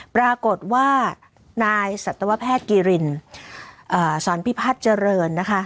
ปรากฏว่านายสัตวแพทย์กิรินสอนพิพัฒน์เจริญนะคะ